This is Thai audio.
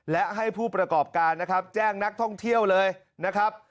และให้ผู้ประกอบการนะครับแจ้งนักท่องเที่ยวเลยนะครับ